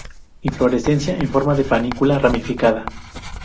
Inflorescencia en forma de una panícula ramificada.